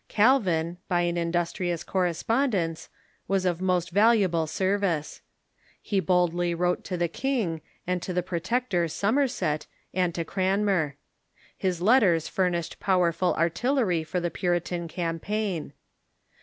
Cal vin, by an industrious correspondence, was of most vahiable service. He boldly wrote to the king, and to the protector Somerset, and to Cranmer. His letters furnished powerful artillery for the Puritan campaign.